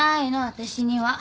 私には。